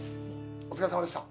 お疲れさまでした。